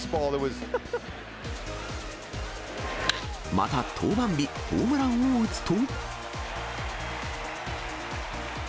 また、登板日、ホームランを打つと。